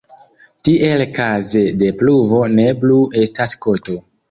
Tiel kaze de pluvo ne plu estas koto.